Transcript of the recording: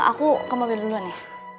aku ke mobil duluan nih